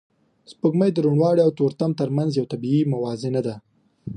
سپوږمۍ د روڼوالی او تورتم تر منځ یو طبیعي موازنه ده